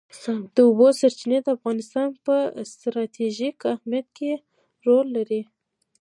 د اوبو سرچینې د افغانستان په ستراتیژیک اهمیت کې رول لري.